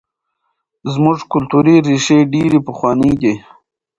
زموږ کلتوري ریښې ډېرې پخوانۍ دي.